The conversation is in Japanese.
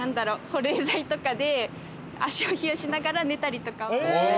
保冷剤とかで足を冷やしながら寝たりとかはありました。